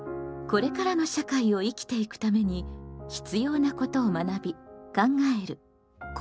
これからの社会を生きていくために必要なことを学び考える「公共」。